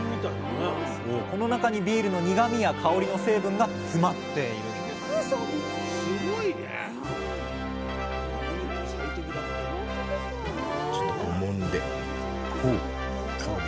この中にビールの苦みや香りの成分が詰まっているんですちょっとこうもんで香り。